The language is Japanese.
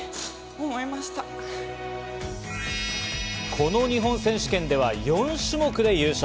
この日本選手権では４種目で優勝。